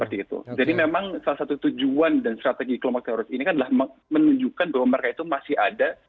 jadi memang salah satu tujuan dan strategi kelompok teroris ini kan adalah menunjukkan bahwa mereka itu masih ada